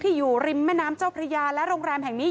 อยู่ริมแม่น้ำเจ้าพระยาและโรงแรมแห่งนี้